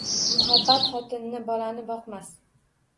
Muhabbat xotinni, bolani boqmas.